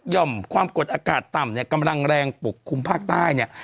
่อมความกดอากาศต่ำเนี่ยกำลังแรงปกคลุมภาคใต้เนี่ย